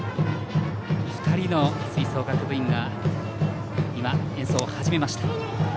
２人の吹奏楽部員が演奏を始めました。